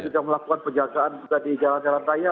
dan juga melakukan penjagaan juga di jalan jalan raya